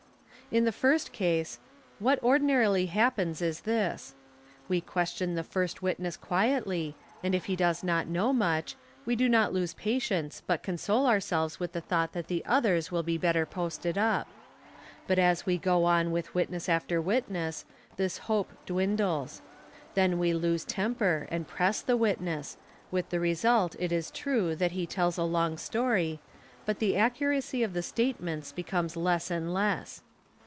| In the first case, what ordinarily happens is this: we question tl first witness quietly, and if he does not know much, we do not lo patience but console ourselves with the thought that the others will ;| E || I | 5 DIFFERENCES IN NATURAL QUALITIES AND CULTURE 89 _ better posted up. But as we go on with witness after witness this hope _ dwindles; then we lose temper and press the witness, with the result it is _ true that he tells a long story, but the accuracy of the statements becomes less and less.